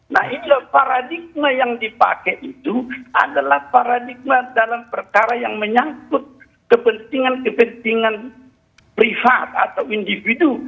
nah inilah paradigma yang dipakai itu adalah paradigma dalam perkara yang menyangkut kepentingan kepentingan privat atau individu